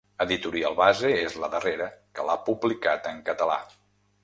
Editorial Base és la darrera que l'ha publicat en català.